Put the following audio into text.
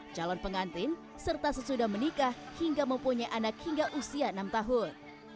calon pengantin serta sesudah menikah hingga mempunyai anak hingga usia enam tahun